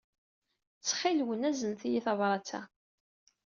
Ttxil-wen, aznet-iyi tabṛat-a.